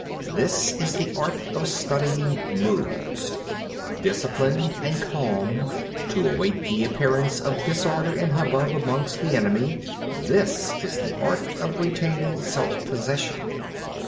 This is the art of studying moods. 30. Disciplined and calm, to await the appearance of disorder and hubbub amongst the enemy:—this is the art of retaining self possession.